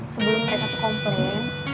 sebelum mereka tuh komplimen